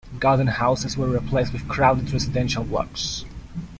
Garden houses were replaced with crowded residential blocks.